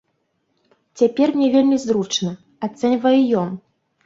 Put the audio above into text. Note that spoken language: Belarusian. Цяпер мне вельмі зручна, ацэньвае ён.